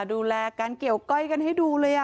ดูแลการเกี่ยวก้อยกันให้ดูเลย